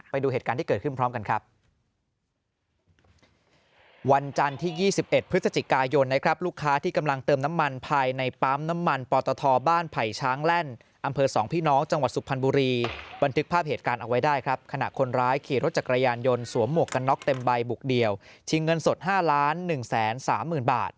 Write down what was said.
ไปดูเหตุการณ์ที่เกิดขึ้นพร้อมกันครับ